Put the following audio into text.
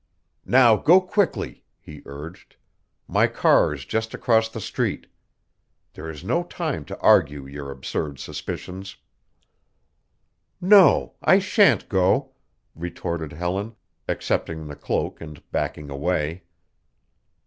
"Now, go quickly," he urged; "my car is just across the street. There is no time to argue your absurd suspicions." "No, I shan't go," retorted Helen, accepting the cloak and backing away.